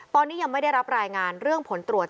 ตอนนี้ยังไม่ได้รับรายงานเรื่องผลตรวจ